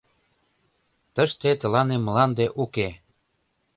Тыште тылане мланде уке!